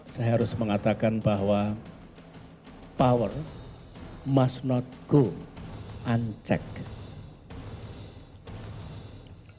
saya harus mengatakan bahwa power must not go uncect